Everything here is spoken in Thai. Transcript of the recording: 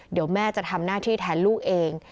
เดี๋ยวแม่จะทำหน้าที่แทนลูกเอง